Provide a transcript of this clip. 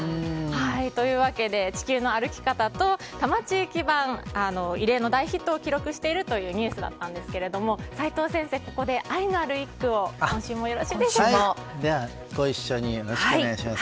というわけで「地球の歩き方」と多摩地域版、異例の大ヒットを記録しているという話題だったんですが齋藤先生、ここで愛のある一句を今週もよろしいでしょうか。